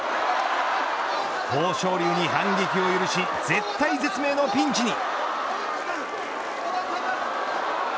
豊昇龍に反撃を許し絶体絶命のピンチに。